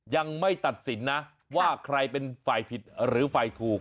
ยังไม่ตัดสินนะว่าใครเป็นฝ่ายผิดหรือฝ่ายถูก